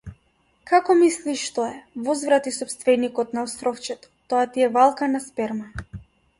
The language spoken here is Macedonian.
Како мислиш што е, возврати сопственикот на островчето, тоа ти е валкана сперма.